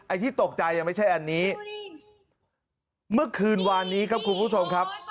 ที่ตกใจยังไม่ใช่อันนี้เมื่อคืนวานนี้ครับคุณผู้ชมครับ